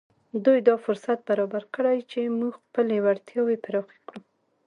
دوی دا فرصت برابر کړی چې موږ خپلې وړتياوې پراخې کړو.